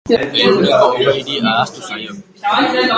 Ehuneko hogeiri ahaztu zaio.